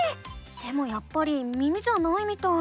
でもやっぱり耳じゃないみたい。